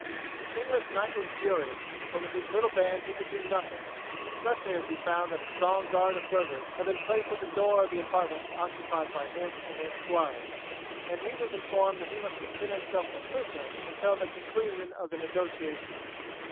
The English knight was furious, but with his little band he could do nothing, especially as he found that a strong guard of burghers had been placed at the door of the apartments occupied by him and the esquires, and he was informed that he must consider himself a prisoner until the conclusion of the negotiations.